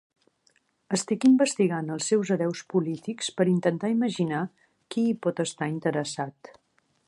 Estic investigant els seus hereus polítics per intentar imaginar qui hi pot estar interessat.